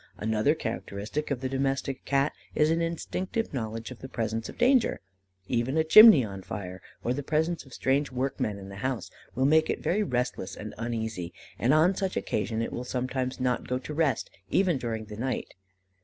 Another characteristic of the domestic Cat is an instinctive knowledge of the presence of danger. Even a chimney on fire, or the presence of strange workmen in the house, will make it very restless and uneasy, and on such occasions it will sometimes not go to rest even during the night.